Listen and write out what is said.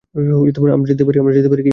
আমারা যেতে পারি?